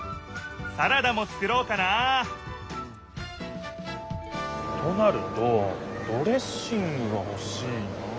サラダも作ろうかなあとなるとドレッシングがほしいなあ。